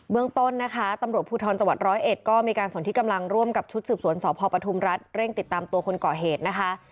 เมืองต้นนะคะตำรวจภูทรจังหวัดร้อยเอ็ดก็มีการส่วนที่กำลังร่วมกับชุดสืบสวนสพปทุมรัฐเร่งติดตามตัวคนก่อเหตุนะคะ